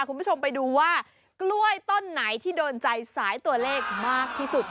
คุณผู้ชมไปดูว่ากล้วยต้นไหนที่โดนใจสายตัวเลขมากที่สุด